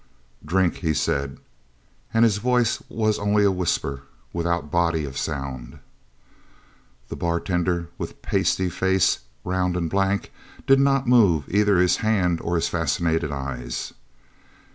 "Drink!" he said, and his voice was only a whisper without body of sound. The bartender, with pasty face, round and blank, did not move either his hand or his fascinated eyes.